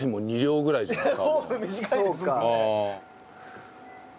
ホーム短いですからね。